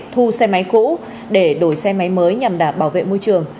thu xe máy cũ để đổi xe máy mới nhằm đảm bảo vệ môi trường